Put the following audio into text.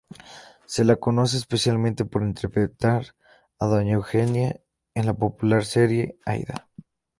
Se la conoce especialmente por interpretar a "doña Eugenia" en la popular serie "Aída".